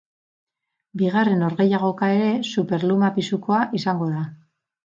Bigarren norgehiagoka ere superluma pisukoa izango da.